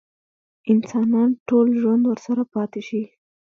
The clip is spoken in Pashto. انسان ټول ژوند ورسره پاتې شي.